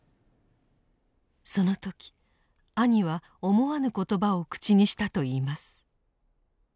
その時兄は思わぬ言葉を口にしたといいます。